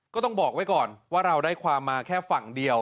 ก็ต้องบอกไว้ก่อนว่าเราได้ความมาแค่ฝั่งเดียว